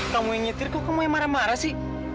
kamu yang nyetir kok kamu yang marah marah sih